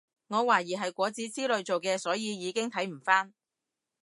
我懷疑係果籽之類做嘅所以已經睇唔返